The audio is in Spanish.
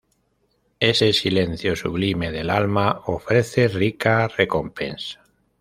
Ese silencio sublime del alma ofrece rica recompensa'".